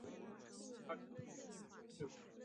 十六国北凉将领。